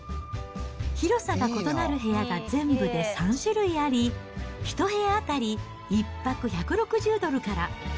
広さが異なる部屋が全部で３種類あり、１部屋当たり１泊１６０ドルから。